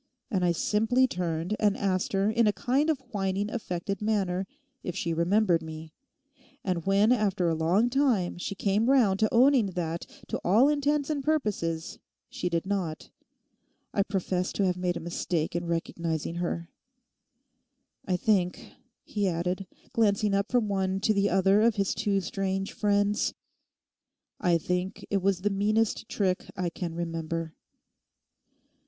And I simply turned and asked her in a kind of a whining affected manner if she remembered me; and when after a long time she came round to owning that to all intents and purposes she did not—I professed to have made a mistake in recognising her. I think,' he added, glancing up from one to the other of his two strange friends, 'I think it was the meanest trick I can remember.